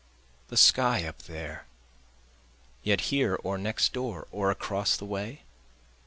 The sky up there yet here or next door, or across the way?